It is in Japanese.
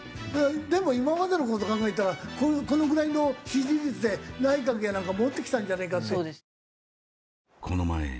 でも今までの事考えたらこのぐらいの支持率で内閣やなんか持ってきたんじゃねえかって。